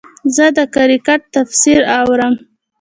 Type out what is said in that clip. زه د کرکټ تفسیر اورم.